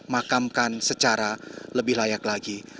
makamkan secara lebih layak lagi